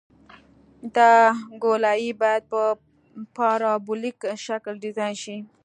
دا ګولایي باید په پارابولیک شکل ډیزاین شي